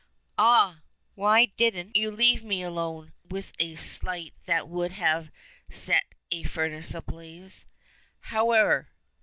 "Ah! Why didn't you leave me alone?" says he, with a sigh that would have set a furnace ablaze. "However!"